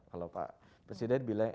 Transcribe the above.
kalau pak presiden bilang